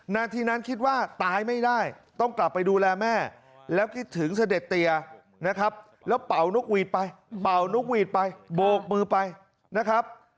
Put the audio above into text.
นาทีนั้นคิดว่าตายไม่ได้ต้องกลับไปดูแลแม่แล้วคิดถึงเสด็จเตียนะครับแล้วเป่านกหวีดไปเป่านกหวีดไปโบกมือไปนะครับ